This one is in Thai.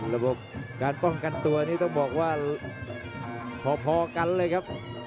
ระบบการป้องกันตัวนี่ต้องบอกว่าพอกันเลยครับ